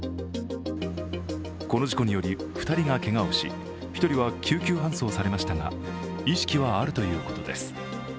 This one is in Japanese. この事故により２人がけがをし、１人は救急搬送されましたが、意識はあるということです。